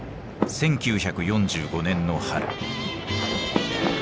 １９４５年の春。